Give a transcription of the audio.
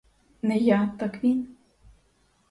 Не я, так він.